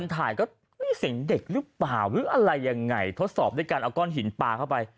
ถ่ายก็เสียงเด็กหรือเปล่าหรืออะไรยังไงทดสอบด้วยการเอาก้อนหินปลาเข้าไป